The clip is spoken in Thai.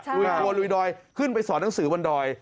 ลุยครัวลุยดอยขึ้นไปสอนหนังสือบนดอย